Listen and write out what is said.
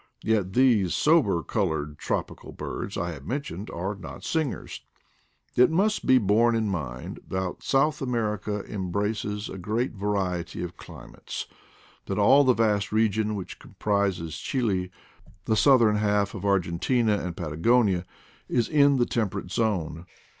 Yet these sober colored tropical birds I have men tioned are not singers. It must also be borne in mind that South Amer 150 IDLE DAYS IN PATAGONIA ica embraces a great variety of climates; that all the vast region, which comprises Chili, the south ern half of Argentina, and Patagonia, is in the temperate zone.